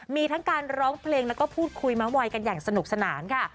มีทั้งการร้องเพลงแล้วก็พูดคุยมาวัยกันอย่างสนุกสนานค่ะ